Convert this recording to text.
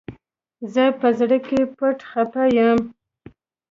زه په زړه کي پټ خپه يم